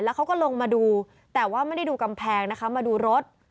เขาก็ลงมาดูแต่ว่าไม่ได้ดูกำแพงนะคะมาดูรถ